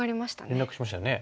連絡しましたよね。